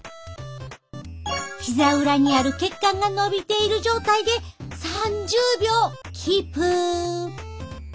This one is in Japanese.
ひざ裏にある血管がのびている状態で３０秒キープ。